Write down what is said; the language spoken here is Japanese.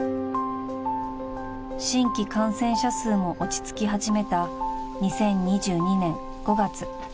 ［新規感染者数も落ち着き始めた２０２２年５月］